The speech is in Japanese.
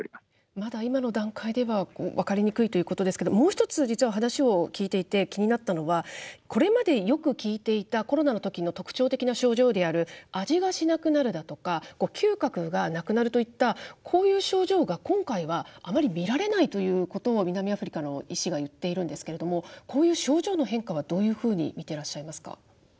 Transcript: まだ今の段階では分かりにくいということですけど、もう一つ、実は話を聞いていて気になったのは、これまでよく聞いていたコロナのときの特徴的な症状である、味がしなくなるだとか、嗅覚がなくなるといったこういう症状が今回はあまり見られないということを、南アフリカの医師が言っているんですけれども、こういう症状の変化はどういうふうに見てらっしゃいますか？